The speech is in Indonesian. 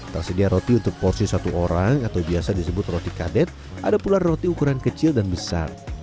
tersedia roti untuk porsi satu orang atau biasa disebut roti kadet ada pula roti ukuran kecil dan besar